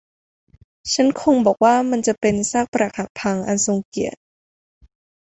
ฉันคงบอกว่ามันจะเป็นซากปรักหักพังอันทรงเกียรติ